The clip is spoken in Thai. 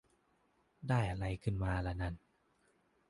ได้อะไรขึ้นมาละนั่น